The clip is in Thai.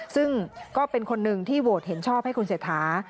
ซึ่งก็เป็นคนหนึ่งที่โหวตเห็นชอบให้คุณเศรษฐา